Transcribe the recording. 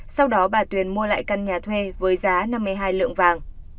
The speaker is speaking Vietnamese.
sau đó bà tuyền mua lại căn nhà thuê với giá năm mươi hai lượng vàng